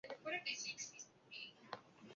Es destruida por la última piedra que abre la cripta.